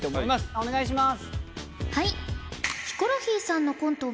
お願いします。